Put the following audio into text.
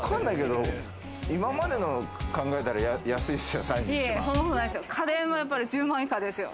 今までの考えたら安いっすよ。